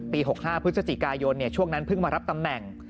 ๖๕พฤศจิกายนช่วงนั้นเพิ่งมารับตำแหน่ง